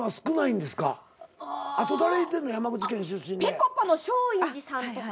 ぺこぱの松陰寺さんとか。